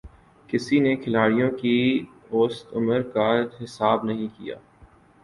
کسی نے کھلاڑیوں کی اوسط عمر کا حساب نہیں کِیا